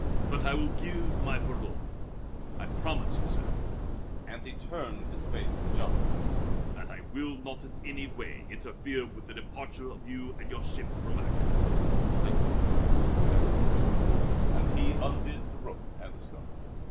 But I will give my parole. I promise you, sir," and he turned his face to Jean, "that I will not in any way interfere with the departure of you and your ship from Acadie." "Thank you," said Jean, and he undid the rope and the scarf.